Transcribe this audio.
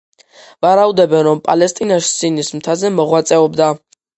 ვარაუდობენ, რომ პალესტინაში, სინის მთაზე მოღვაწეობდა.